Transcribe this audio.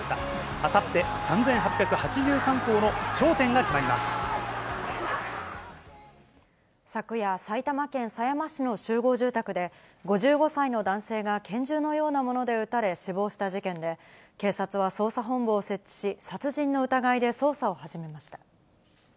あさって、昨夜、埼玉県狭山市の集合住宅で、５５歳の男性が拳銃のようなもので撃たれ、死亡した事件で、警察は捜査本部を設置し、殺人の疑いで捜査を始めました。